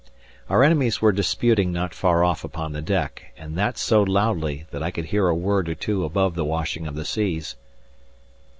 Our enemies were disputing not far off upon the deck, and that so loudly that I could hear a word or two above the washing of the seas.